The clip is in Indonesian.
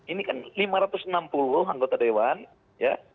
ini kan lima ratus enam puluh anggota dewan ya